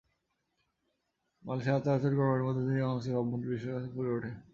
তাদের আচার-আচরণ, কর্মকাণ্ডের মধ্য দিয়েই বাংলাদেশের ভাবমূর্তি বিদেশিদের কাছে ফুটে ওঠে।